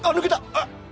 あっ！